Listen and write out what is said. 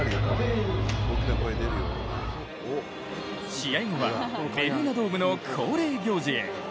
試合後はベルーナドームの恒例行事へ。